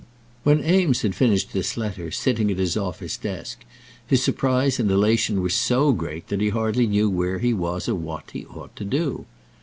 When Eames had finished this letter, sitting at his office desk, his surprise and elation were so great that he hardly knew where he was or what he ought to do.